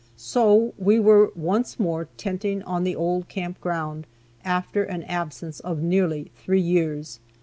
So we were once more "tenting on the old camp ground," after an absence of nearly three years.